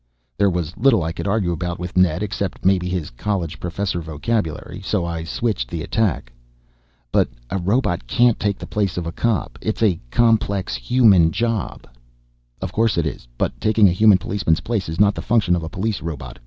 There was little I could argue about with Ned. Except maybe his college professor vocabulary. So I switched the attack. "But a robot can't take the place of a cop, it's a complex human job." "Of course it is, but taking a human policeman's place is not the function of a police robot.